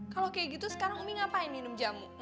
kalo kaya gitu sekarang umi ngapain minum jamu